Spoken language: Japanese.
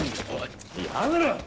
やめろよ！